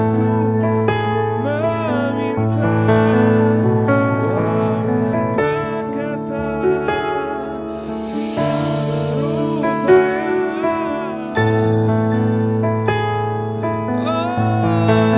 sampai sejam lalu aku sangat mencintai pria